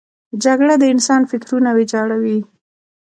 جګړه د انسان فکرونه ویجاړوي